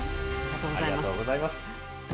ありがとうございます。